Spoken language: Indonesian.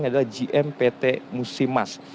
ini adalah gm pt musimas